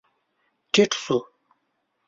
ټيټ شو.